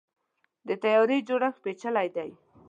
د طیارې جوړښت پیچلی دی.